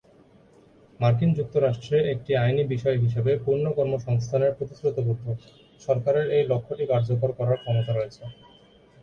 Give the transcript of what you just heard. মার্কিন যুক্তরাষ্ট্রে একটি আইনি বিষয় হিসাবে, পূর্ণ কর্মসংস্থানের প্রতিশ্রুতিবদ্ধ; সরকারের এই লক্ষ্যটি কার্যকর করার ক্ষমতা রয়েছে।